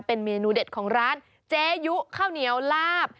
เป็นเมนูเด็ดของร้านเจยุข้าวเหนียวลาบ